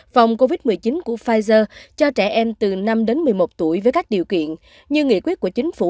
phòng covid một mươi chín của pfizer cho trẻ em từ năm đến một mươi một tuổi với các điều kiện như nghị quyết của chính phủ